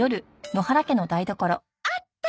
あった！